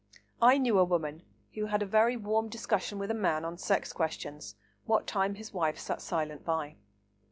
I knew a woman who had a very warm discussion with a man on sex questions, what time his wife sat silent by.